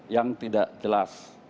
yang tidak jelas